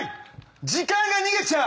時間が逃げちゃう。